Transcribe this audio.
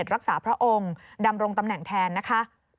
รักษาพระองค์ดำรงตำแหน่งแทนนะคะ